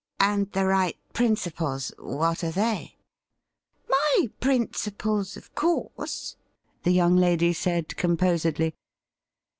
And the right principles — what are they .?' 'My principles, of course,' the young lady said com posedly.